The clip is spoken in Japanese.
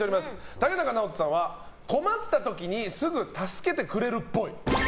竹中直人さんは、困った時にすぐ助けてくれるっぽい。